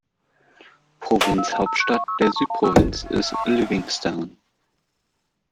Provinzhauptstadt der Südprovinz ist Livingstone.